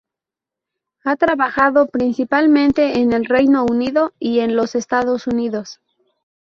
Ha trabajado principalmente en el Reino Unido y en los Estados Unidos.